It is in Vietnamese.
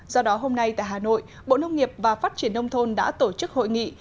do đó hôm nay tại hà nội bộ nông nghiệp và phát triển nông thôn đã tổ chức hội nghị